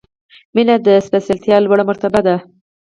• مینه د سپېڅلتیا لوړه مرتبه ده.